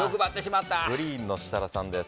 グリーンの設楽さんです。